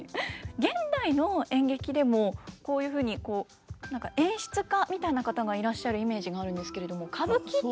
現代の演劇でもこういうふうに何か演出家みたいな方がいらっしゃるイメージがあるんですけれども歌舞伎って。